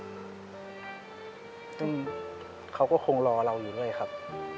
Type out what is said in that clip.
ซึ่งเขาก็คงรอเราอยู่ด้วยครับ